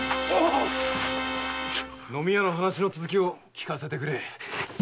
飲み屋の話の続きを聞かせてくれ。